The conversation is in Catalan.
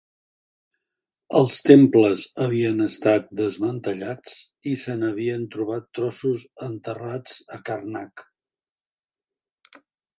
Els temples havien estat desmantellats i se n'havien trobat trossos enterrats a Karnak.